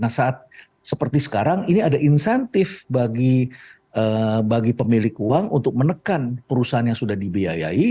nah saat seperti sekarang ini ada insentif bagi pemilik uang untuk menekan perusahaan yang sudah dibiayai